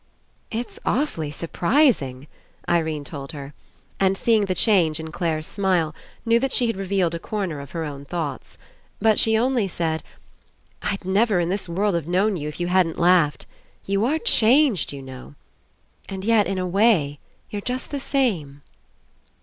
*'It's awfully surprising," Irene told her, and, seeing the change In Clare's smile, knew that she had revealed a corner of her own thoughts. But she only said: "I'd never In this world have known you If you hadn't laughed. You are changed, you know. And yet, in a way, you're just the same."